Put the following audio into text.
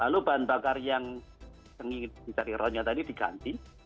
lalu bahan bakar yang di tarik ron nya tadi diganti